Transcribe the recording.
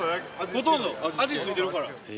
ほとんど味付いてるから。